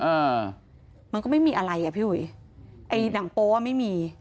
อ่ามันก็ไม่มีอะไรอ่ะพี่อุ๋ยไอ้หนังโป๊อ่ะไม่มี